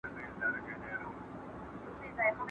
ژړ سپى د چغال ورور دئ.